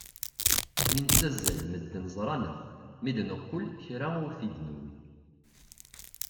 Mi nettazzal medden ẓran-aɣ, mi d-neqqel kra ur t-id-newwi.